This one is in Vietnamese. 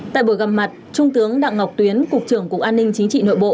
tại buổi gặp mặt trung tướng đặng ngọc tuyến cục trưởng cục an ninh chính trị nội bộ